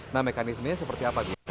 nah mekanismenya seperti apa